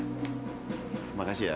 terima kasih ya